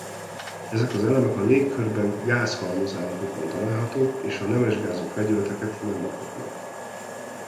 Ezek az elemek a légkörben gáz halmazállapotban találhatók és a nemesgázok vegyületeket nem alkotnak.